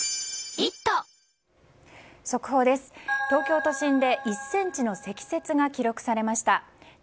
東京都心で１ｃｍの積雪が記録されました。